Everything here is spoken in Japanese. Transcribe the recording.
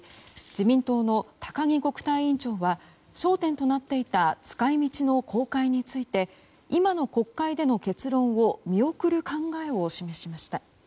自民党の高木国対委員長は焦点となっていた使い道の公開について今の国会での結論を見送る考えを示しました。